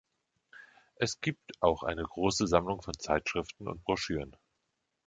Es gibt auch eine große Sammlung von Zeitschriften und Broschüren.